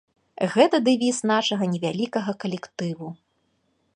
Гэта дэвіз нашага невялікага калектыву.